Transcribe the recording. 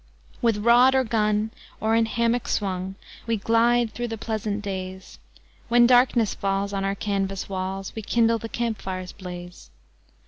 With rod or gun, or in hammock swung, We glide through the pleasant days; When darkness falls on our canvas walls, We kindle the camp fire's blaze.